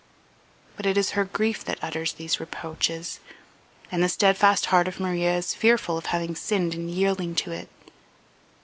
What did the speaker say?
But it is her grief that utters these reproaches, and the steadfast heart of Maria is fearful of having sinned in yielding to it.